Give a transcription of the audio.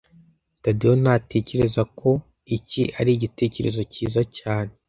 Tadeyo ntatekereza ko iki ari igitekerezo cyiza cyane